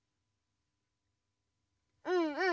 うんうん！